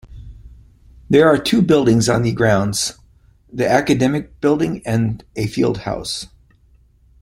There are two buildings on the grounds: the Academic Building and a Field House.